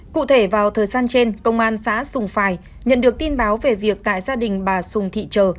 cụ thể vào thời gian trên công an xã sùng phài nhận được tin báo về việc tại gia đình bà sùng thị trờ